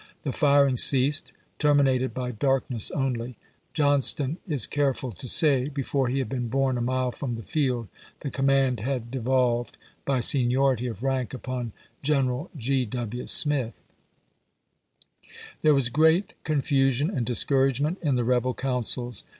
The firing ceased, "termi nated by darkness only," Johnston is careful to say, before he had been borne a mile from the field. The command had devolved by seniority of rank upon General G. W. Smith. 390 ABRAHAM LINCOLN Chap. XXI. There was great confusion and discouragement in the rebel councils.